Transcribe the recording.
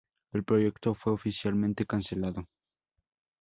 El proyecto fue oficialmente cancelado.